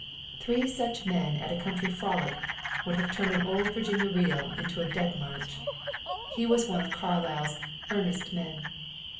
Three such men at a country frolic would have turned an old Virginia reel into a dead march. He was one of Carlyle's earnest men.